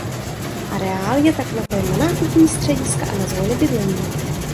Areál je tak napojen na nákupní střediska a na zóny bydlení.